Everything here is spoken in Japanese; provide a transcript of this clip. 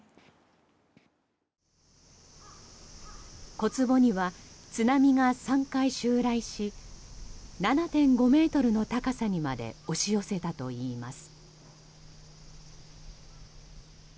小坪には津波が３回襲来し７．５ｍの高さにまで押し寄せたといいます。